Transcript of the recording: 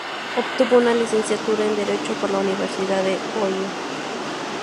Obtuvo una licenciatura en Derecho por la Universidad de Ohio.